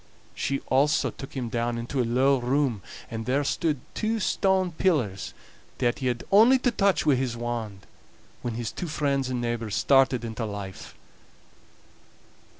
She also took him down into a low room, and there stood two stone pillars that he had only to touch wi' his wand, when his two friends and neighbors started into life.